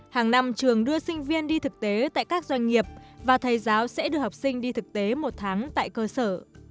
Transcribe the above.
hàng năm trường đưa sinh viên đi thực tế tại các doanh nghiệp và thầy giáo sẽ đưa học sinh đi thực tế một tháng tại cơ sở